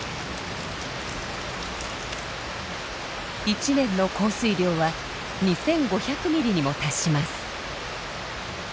一年の降水量は２，５００ミリにも達します。